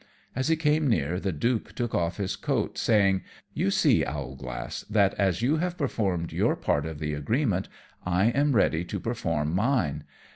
As he came near, the Duke took off his coat, saying, "You see, Owlglass, that as you have performed your part of the agreement I am ready to perform mine.